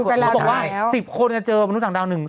เขาบอกว่า๑๐คนจะเจอมนุษย์สังดาวนึง๒คน